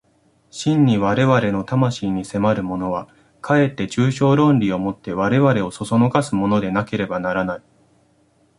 真に我々の魂に迫るものは、かえって抽象論理を以て我々を唆すものでなければならない。